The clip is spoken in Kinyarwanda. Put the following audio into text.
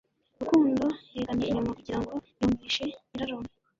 Rukundo yegamiye inyuma kugirango yumvishe nyirarume